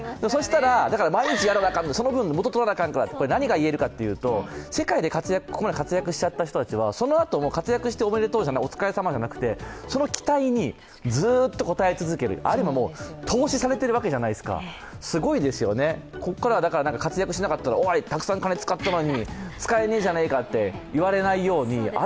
その分、元を取らないとといって、何が言えるかというと、世界でここまで活躍しちゃった人たちはそのあとも活躍しておめでとう、お疲れさまじゃなくてその期待にずっと応え続ける、ある意味、投資されているわけですごいですよね、ここからは活躍しなかったらおいたくさん金使ったのに、使えねぇじゃないかと言われないように。